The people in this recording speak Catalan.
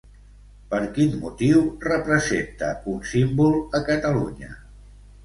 Per quin motiu representa un símbol, a Catalunya?